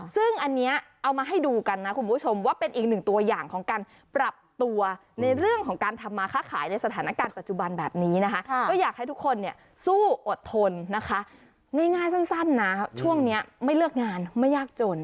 ซึ่งอันนี้เอามาให้ดูกันนะคุณผู้ชมว่าเป็นอีกหนึ่งตัวอย่างของการปรับตัวในเรื่องของการทำมาค้าขายในสถานการณ์ปัจจุบันแบบนี้นะคะก็อยากให้ทุกคนเนี่ยสู้อดทนนะคะง่ายสั้นนะช่วงนี้ไม่เลือกงานไม่ยากจน